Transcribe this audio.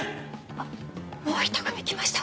あっもうひと組来ました。